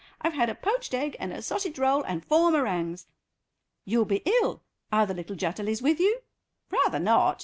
I've had a poached egg and a sausage roll and four meringues." "You'll be ill. Are the little Jutterlys with you?" "Rather not.